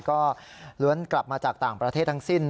ก็ล้วนกลับมาจากต่างประเทศทั้งสิ้น